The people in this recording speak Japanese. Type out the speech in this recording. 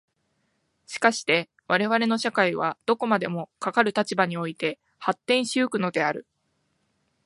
しかして我々の社会はどこまでもかかる立場において発展し行くのである。